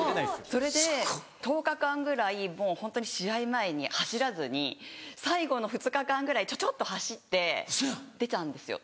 それで１０日間ぐらいもうホントに試合前に走らずに最後の２日間ぐらいちょちょっと走って出たんですよ。